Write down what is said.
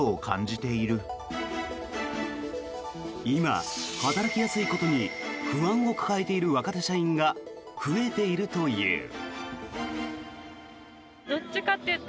今、働きやすいことに不安を抱えている若手社員が増えているという。